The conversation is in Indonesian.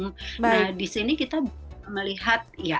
nah disini kita melihat